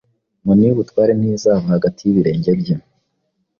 inkoni y’ubutware ntizava hagati y’ibirenge bye,